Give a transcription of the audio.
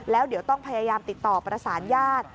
แล้วเดี๋ยวต้องพยายามติดต่อประสานญาติ